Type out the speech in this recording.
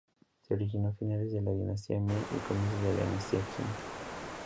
Se originó a finales de la dinastía Ming y comienzos de la dinastía Qing.